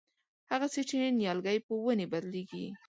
هغسې چې نیالګی په ونې بدلېږي.